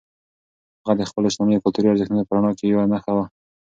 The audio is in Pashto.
هغه د خپلو اسلامي او کلتوري ارزښتونو په رڼا کې یوه نښه وه.